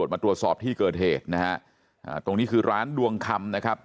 มาตรวจสอบที่เกิดเหตุนะฮะตรงนี้คือร้านดวงคำนะครับ